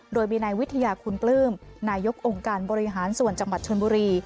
โดยมีนายวิทยาคุณปลื้มนายกองค์การบริหารส่วนจังหวัดชนบุรี